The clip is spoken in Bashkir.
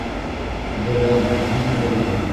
— Беләм, бик беләм.